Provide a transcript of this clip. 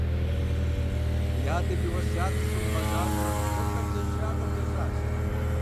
Уи адэм и уэсятыр щумыгъэзэщӀэм, уэ хабзэншагъэ блэжьащ.